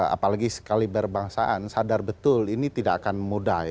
apalagi sekali berbangsaan sadar betul ini tidak akan mudah